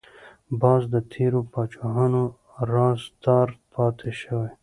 باز د تیرو پاچاهانو رازدار پاتې شوی